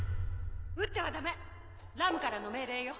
撃ってはダメラムからの命令よ。